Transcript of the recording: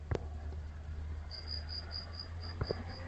আল্লাহ্ বললেন, তবে তুমি এখান থেকে বের হয়ে যাও।